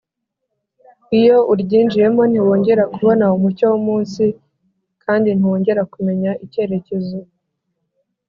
iyo uryinjiyemo ntiwongera kubona umucyo w’umunsi kandi ntiwongera kumenya icyerekezo.